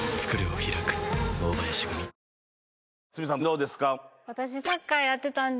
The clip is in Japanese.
どうですか？